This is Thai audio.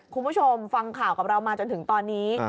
คุณผู้ชมฟังข่าวกับเรามาจนถึงตอนนี้